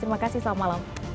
terima kasih selamat malam